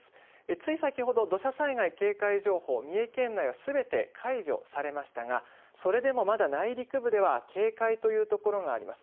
つい先ほど土砂災害警戒情報、三重県内はすべて解除されましたが、それでもまだ内陸部では警戒という所があります。